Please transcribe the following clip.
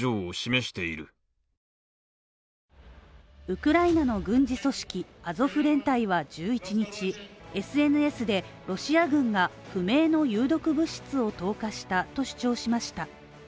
ウクライナの軍事組織、アゾフ連隊は１１日、ＳＮＳでロシア軍が不明の有毒物質を投下したと主張しました。